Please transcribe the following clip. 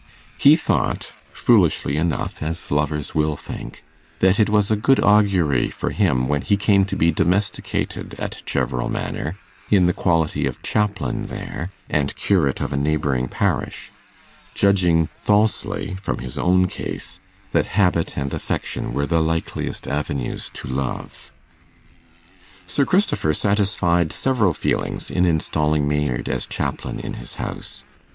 He thought foolishly enough, as lovers will think that it was a good augury for him when he came to be domesticated at Cheverel Manor in the quality of chaplain there, and curate of a neighbouring parish; judging falsely, from his own case, that habit and affection were the likeliest avenues to love. Sir Christopher satisfied several feelings in installing Maynard as chaplain in his house.